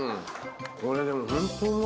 これでもホントうまいわ。